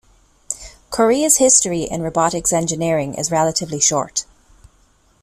Korea's history in robotics engineering is relatively short.